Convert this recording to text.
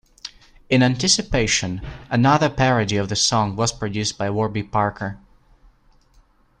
In anticipation, another parody of the song was produced by Warby Parker.